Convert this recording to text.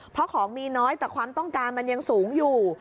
เพราะของมีน้อยแต่ความต้องการมันยังสูงอยู่